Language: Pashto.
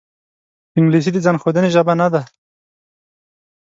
انګلیسي د ځان ښودنې ژبه نه ده